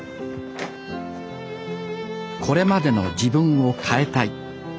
これまでの自分を変えたい。